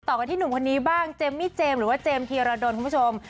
กันที่หนุ่มคนนี้บ้างเจมมี่เจมส์หรือว่าเจมส์ธีรดลคุณผู้ชม